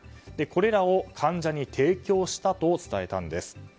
これらを患者に提供したと伝えたんです。